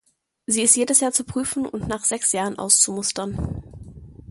Sie ist jedes Jahr zu prüfen und nach sechs Jahren auszumustern.